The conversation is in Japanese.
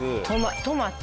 トマト。